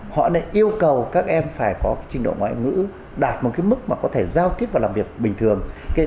họ lại yêu cầu các em phải có trình độ ngoại ngữ đạt một cái mức mà có thể giao tiếp và làm việc bình thường